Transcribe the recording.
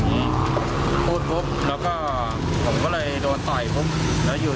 มีประวัติศาสตร์ที่สุดในประวัติศาสตร์